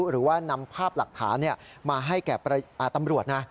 หรือว่านำภาพหลักฐานมาให้แก่ตำรวจนะ